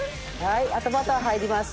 あとバター入ります。